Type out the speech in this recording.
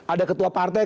ada ketua partai